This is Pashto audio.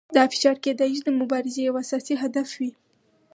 دا فشار کیدای شي د مبارزې یو اساسي هدف وي.